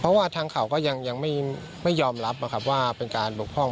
เพราะว่าทางเขาก็ยังไม่ยอมรับว่าเป็นการบกพร่อง